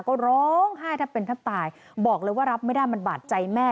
ก็ร้องไห้แทบเป็นแทบตายบอกเลยว่ารับไม่ได้มันบาดใจแม่